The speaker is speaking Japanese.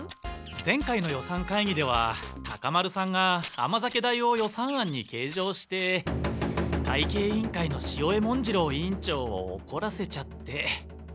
前回の予算会議ではタカ丸さんがあま酒代を予算案に計上して会計委員会の潮江文次郎委員長をおこらせちゃって。